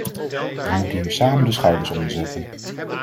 We moeten hier samen de schouders onder zetten.